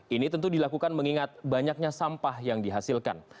ini tentu dilakukan mengingat banyaknya sampah yang dihasilkan